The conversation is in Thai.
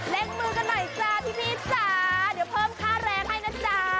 มือกันหน่อยจ้าพี่จ๋าเดี๋ยวเพิ่มค่าแรงให้นะจ๊ะ